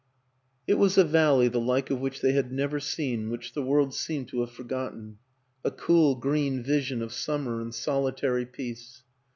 It was a valley the like of which they had never seen, which the world seemed to have forgotten; a cool green vision of summer and solitary peace.